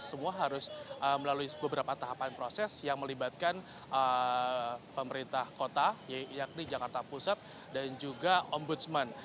semua harus melalui beberapa tahapan proses yang melibatkan pemerintah kota yakni jakarta pusat dan juga ombudsman